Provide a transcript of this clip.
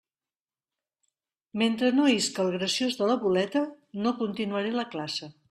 Mentre no isca el graciós de la boleta, no continuaré la classe.